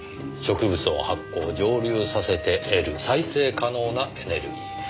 植物を発酵蒸留させて得る再生可能なエネルギー。